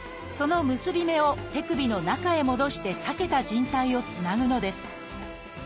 その結び目を手首の中へ戻して裂けた靭帯をつなぐのです。